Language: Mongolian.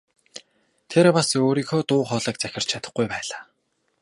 Тэр бас өөрийнхөө дуу хоолойг захирч чадахгүй байлаа.